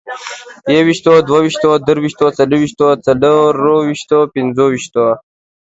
يوويشتو، دوه ويشتو، درويشتو، څلرويشتو، څلورويشتو، پنځه ويشتو